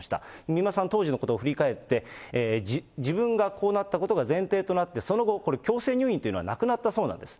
美馬さん、当時のことを振り返って、自分がこうなったことが前提となって、その後、強制入院というのはなくなったそうなんです。